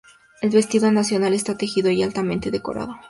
El vestido nacional está tejido y altamente decorado.